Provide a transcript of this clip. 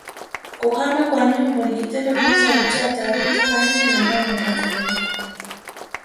kuhama kwa nyumbu ni kitendo kinachovutia watalii kutoka nje na ndani ya Tanzania